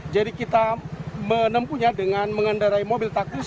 jadi kita menempunya dengan mengendarai mobil taktis